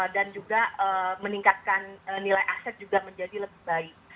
dan juga meningkatkan nilai aset juga menjadi lebih baik